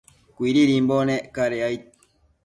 Cuididimbo nec cadec aid